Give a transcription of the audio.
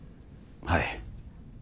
はい。